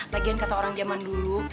lagian kata orang zaman dulu